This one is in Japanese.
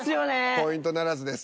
ポイントならずです。